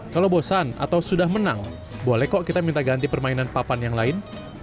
kalau bosan atau sudah menang boleh kok kita minta ganti permainan papan yang lain